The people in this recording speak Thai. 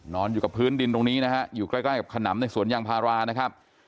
นอนอยู่กับพื้นดินตรงนี้นะฮะอยู่ใกล้ใกล้กับขนำในสวนยางพารานะครับ